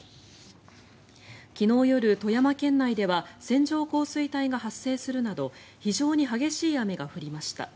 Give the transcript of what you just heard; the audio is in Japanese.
昨日夜、富山県内では線状降水帯が発生するなど非常に激しい雨が降りました。